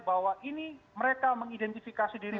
bahwa ini mereka mengidentifikasi diri